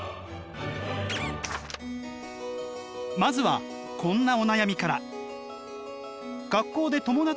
まずはこんなお悩みから。